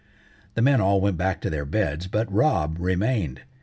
The men all went back to their beds, but Rob remained.